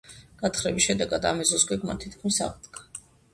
გათხრების შედეგად ამ ეზოს გეგმა თითქმის აღსდგა.